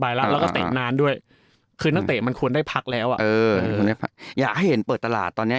อยากให้เห็นเปิดตลาดตอนี้